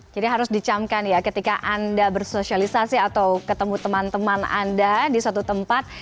jadi harus dicamkan ya ketika anda bersosialisasi atau ketemu teman teman anda di suatu tempat